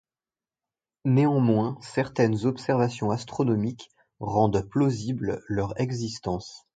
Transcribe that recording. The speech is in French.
Néanmoins, certaines observations astronomiques rendent plausibles leur existence.